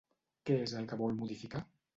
Què és el que vol modificar?